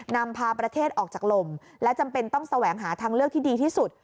นำพาประเทศออกจากลมและจำเป็นต้องแสวงหาทางเลือกที่ดีที่สุด